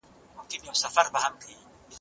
زکات د ټولني توازن برابروي.